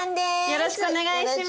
よろしくお願いします。